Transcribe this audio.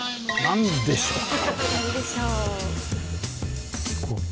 何でしょう。